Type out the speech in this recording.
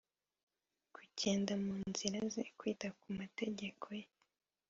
kugenda mu nzira ze, kwita ku mategeko ye